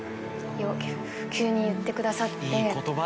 急に言ってくださって。